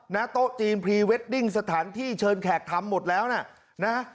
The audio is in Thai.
โต๊ะจีนพรีเวดดิ้งสถานที่เชิญแขกทำหมดแล้วนะ